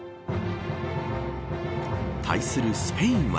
対するスペインは。